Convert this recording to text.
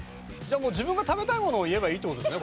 自分が食べたいものを言えばいいって事ですね？